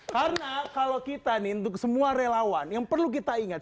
karena kalau kita nih untuk semua relawan yang perlu kita ingat